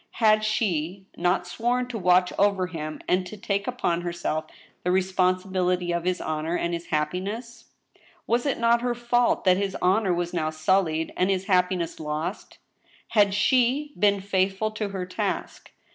Had she not sworn to watch over him, and to take upon herself the responsibility of his honor and his happiness ? Was it not her fault that his honor was now sullied, and his hap piness lost? Had jA^ been faithful to her task?